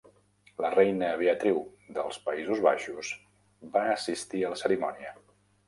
La reina Beatriu dels Països Baixos va assistir a la cerimònia.